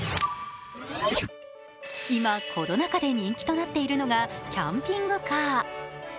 今、コロナ禍で人気となっているのがキャンピングカー。